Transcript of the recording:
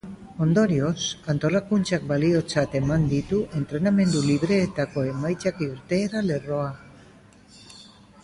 Ondorioz, antolakuntzak balizkotzat eman ditu entrenamendu libreetako emaitzak irteera lerroa osatzeko.